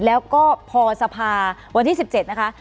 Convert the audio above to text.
แล้วก็พอสภาวันที่๑๗นะคะ